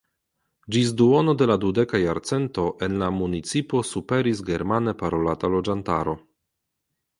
Ĝis duono de la dudeka jarcento en la municipo superis germane parolanta loĝantaro.